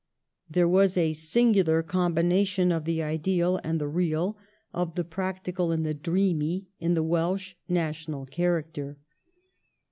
There was a singular combination of the ideal and the real, of the practical and the dreamy, in the Welsh national character.